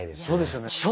そうですよね。